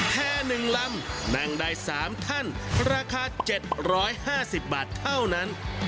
แพ่หนึ่งลำนั่งได้สามท่านราคา๗๕๐บาทเท่านั้น